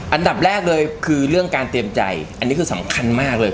อันดับแรกเลยเรื่องการเตรียมใจสำคัญมากเลย